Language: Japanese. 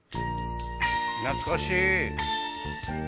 懐かしい！